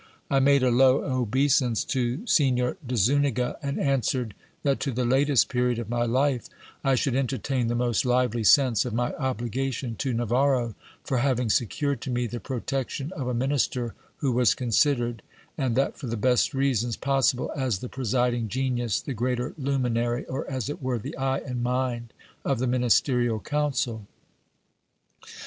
I made a low obeisance to Signor de Zuniga, and answered, that to the latest period of my life I should entertain the most lively sense of my obligation to Navarro, for having secured to me the protection of a minister, who was con sidered, and that for the best reasons possible, as the presiding genius, the greater luminary, or, as it were, the eye and mind of the ministerial council.